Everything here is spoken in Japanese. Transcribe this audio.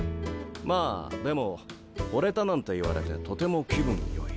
まあでもほれたなんて言われてとても気分よい。